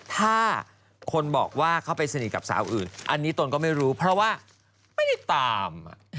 ถ้าคนบอกว่าเขาไปสนิทกับสาวอื่นอันนี้ตนก็ไม่รู้เพราะว่าไม่ได้ตาม